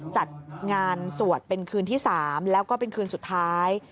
จัดงานสวดเป็นคืนที่๓แล้วก็เป็นคืนสุดท้าย